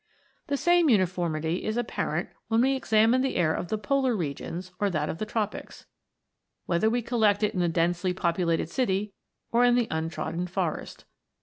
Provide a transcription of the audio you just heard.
The same uniformity is apparent whether we examine the air of the polar regions or that of the tropics ; whether we collect it in the densely popu lated city or in the untrodden forest.